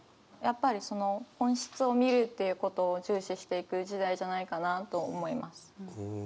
やっぱりその本質を見るっていうことを重視していく時代じゃないかなと思います。